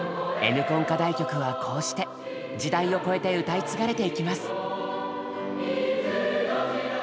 「Ｎコン」課題曲はこうして時代を超えて歌い継がれてゆきます。